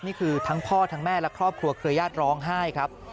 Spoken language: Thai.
นี่คือทั้งพ่อทั้งแม่และครอบครัวเครือญาติร้องไห้ครับ